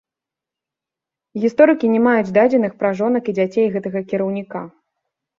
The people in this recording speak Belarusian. Гісторыкі не маюць дадзеных пра жонак і дзяцей гэтага кіраўніка.